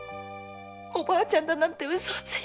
おばあちゃんだなんて嘘をついて。